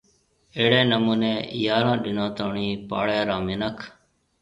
اهڙيَ نمونيَ يارهون ڏنون توڻِي پاݪيَ را منک